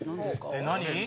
えっ何？